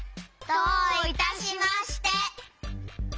どういたしまして！